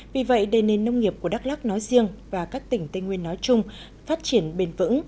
vì vậy để nền nông nghiệp của đắk lắc nói riêng và các tỉnh tây nguyên nói chung phát triển bền vững